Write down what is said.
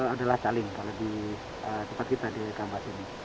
adalah caling kalau kita di gambar ini